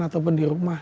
ataupun di rumah